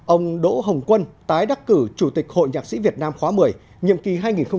ông đỗ hồng quân tái đắc cử chủ tịch hội nhạc sĩ việt nam khóa một mươi nhiệm kỳ hai nghìn một mươi năm hai nghìn hai mươi năm